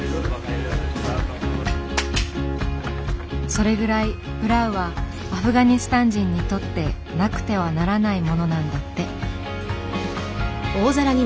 それぐらいプラウはアフガニスタン人にとってなくてはならないものなんだって。